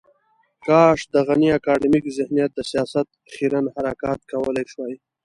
کاش د غني اکاډمیک ذهنیت د سياست خیرن حرکات کولای شوای.